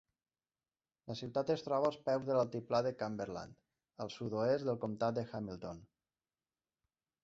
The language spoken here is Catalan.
La ciutat es troba als peus de l'altiplà de Cumberland, al sud-oest del comtat de Hamilton.